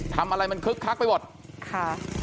ทำอะไรมันคึกคักไปหมดค่ะ